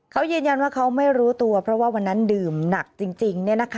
เขายืนยันว่าเขาไม่รู้ตัวเพราะว่าวันนั้นดื่มหนักจริงจริงเนี่ยนะคะ